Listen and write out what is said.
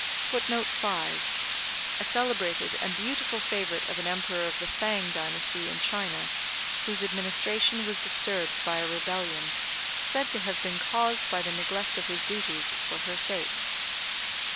] [Footnote 5: A celebrated and beautiful favorite of an Emperor of the Thang dynasty in China, whose administration was disturbed by a rebellion, said to have been caused by the neglect of his duties for her sake.